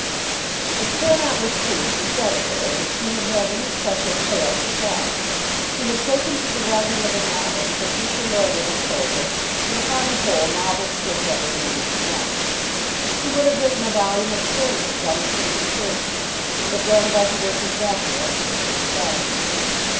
It cannot with truth be said of her that she had had any special tale to tell. She had taken to the writing of a novel because Mr. Loiter had told her that upon the whole novels did better than anything else. She would have written a volume of sermons on the same encouragement, and have gone about the work exactly after the same fashion.